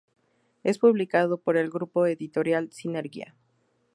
Es publicado por el grupo editorial Sinergia.